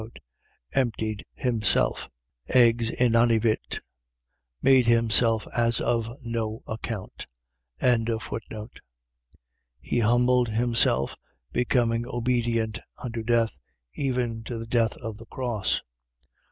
Emptied himself, exinanivit. . .made himself as of no account. 2:8. He humbled himself, becoming obedient unto death, even to the death of the cross.